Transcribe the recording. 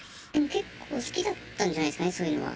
結構、好きだったんじゃないですかね、そういうのは。